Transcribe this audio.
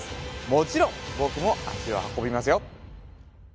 もちろん僕も足を運びますよ